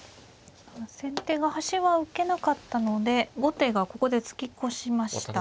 先手が端は受けなかったので後手がここで突き越しました。